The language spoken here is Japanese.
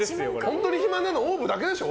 本当に暇なのＯＷＶだけでしょ